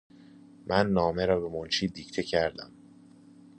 من نامه را به منشی دیکته کردم.